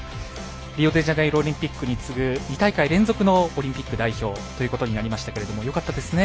リオデジャネイロオリンピックに次ぐ２大会連続のオリンピック出場ということになりますけどよかったですね。